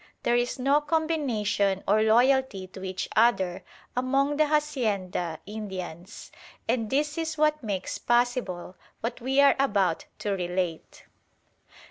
There is no combination or loyalty to each other among the hacienda Indians; and this is what makes possible what we are about to relate.